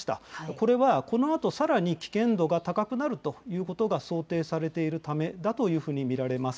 これはこのあと、さらに危険度が高くなるということが想定されているためだというふうに見られます。